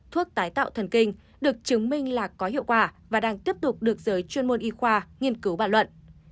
thuốc tái tạo thần kinh được chứng minh là có hiệu quả và đang tiếp tục được giới chuyên môn y khoa nghiên cứu bàn luận